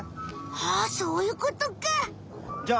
ああそういうことか。